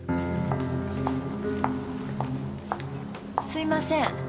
すいません。